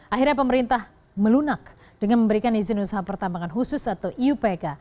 akhirnya pemerintah melunak dengan memberikan izin usaha pertambangan khusus atau iupk